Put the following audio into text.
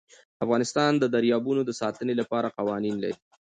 افغانستان د دریابونه د ساتنې لپاره قوانین لري.